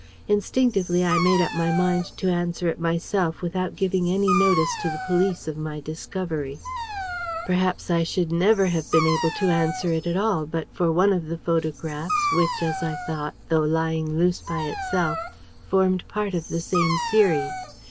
Instinctively I made up my mind to answer it myself, without giving any notice to the police of my discovery. Perhaps I should never have been able to answer it at all but for one of the photographs which, as I thought, though lying loose by itself, formed part of the same series.